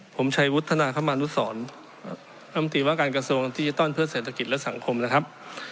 ผมชัยวุฒนาคมานุสรลำตีว่าการกระทรวงดิจิทัลเพื่อเศรษฐกิจและสังคมนะครับ